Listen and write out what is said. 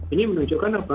ini menunjukkan apa